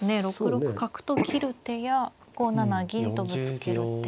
６六角と切る手や５七銀とぶつける手。